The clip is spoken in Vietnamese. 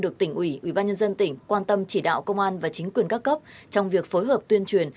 được tỉnh ủy ủy ban nhân dân tỉnh quan tâm chỉ đạo công an và chính quyền các cấp trong việc phối hợp tuyên truyền